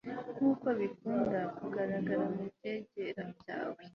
nk'uko bikunda kugaragara mu byegera byawe